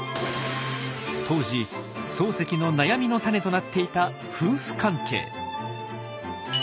当時漱石の悩みのタネとなっていた夫婦関係。